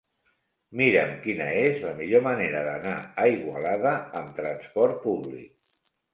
Mira'm quina és la millor manera d'anar a Igualada amb trasport públic.